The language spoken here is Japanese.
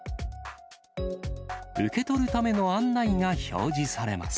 受け取るための案内が表示されます。